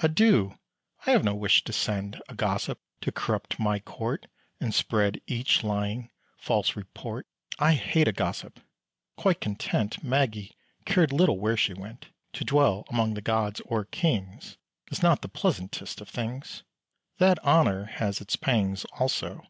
Adieu! I have no wish to send A gossip to corrupt my court, And spread each lying, false report: I hate a gossip." Quite content, Maggy cared little where she went. To dwell among the gods or kings Is not the pleasantest of things; That honour has its pangs also.